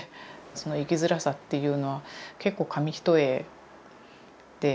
その生きづらさというのは結構紙一重で。